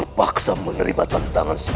tidak akan memberikan bangkalah yang tersasar